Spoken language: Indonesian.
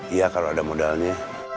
iya kalau ada modalnya